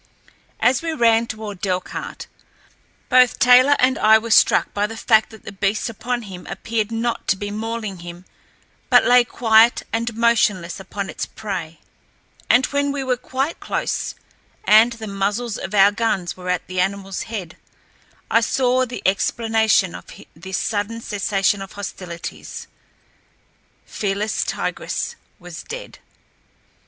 As we ran toward Delcarte, both Taylor and I were struck by the fact that the beast upon him appeared not to be mauling him, but lay quiet and motionless upon its prey, and when we were quite close, and the muzzles of our guns were at the animal's head, I saw the explanation of this sudden cessation of hostilities—Felis tigris was dead.